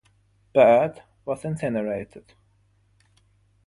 Bird, was incinerated.